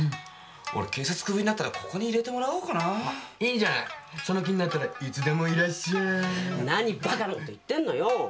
俺警察クビになったらここに入れてもらおうかなぁいいんじゃないその気になったらいつでもいらっしゃいなにバカなこと言ってんのよ